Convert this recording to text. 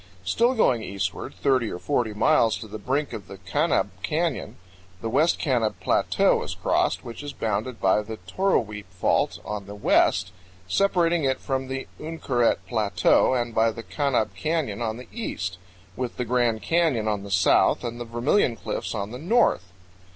Still going eastward 30 or 40 miles to the brink of the Kanab Canyon, the West Kanab Plateau is crossed, which is bounded by the Toroweap Fault on the west, separating it from the Uinkaret Plateau, and by the Kanab Canyon on the east, with the Grand Canyon on the south and the Vermilion Cliffs on the north.